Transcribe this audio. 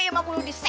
hudang buruan diman